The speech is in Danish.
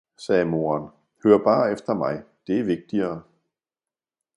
sagde moderen, hør bare efter mig, det er vigtigere!